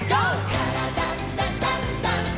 「からだダンダンダン」